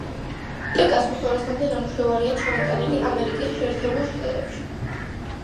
პიკასოს ორასამდე ნამუშევარია ჩამოტანილი ამერიკის შეერთებულ შტატებში.